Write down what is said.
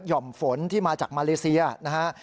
่อมฝนที่มาจากมาเลเซียนะฮะ